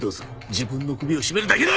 自分の首を絞めるだけだ！